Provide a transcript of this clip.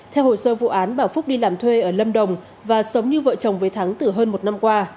theo hồ sơ vụ án bảo phúc đi làm thuê ở lâm đồng và sống như vợ chồng với thắng từ hơn một năm qua